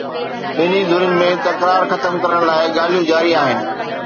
ٻنهي ڌرين ۾ تڪرار ختم ڪرڻ لاءِ ڳالهيون جاري آهن